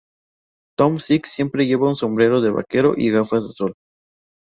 Tom Six siempre lleva un sombrero de vaquero y gafas de sol